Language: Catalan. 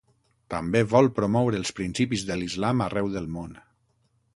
També vol promoure els principis de l'Islam arreu del món.